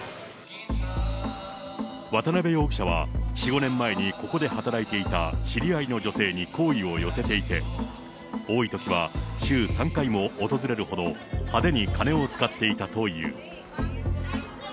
渡辺容疑者は４、５年前にここで働いていた知り合いの女性に好意を寄せていて、多いときは週３回も訪れるほど、派手に金を使っていたという。